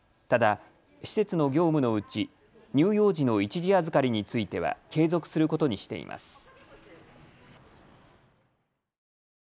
ただ、施設の業務のうち乳幼児の一時預かりについては継続することにしています。